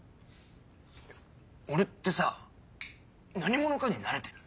俺ってさ何者かになれてる？